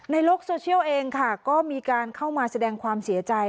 ในโลกโซเชียลเองค่ะก็มีการเข้ามาแสดงความเสียใจ